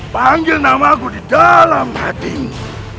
panggil namaku di dalam hatimu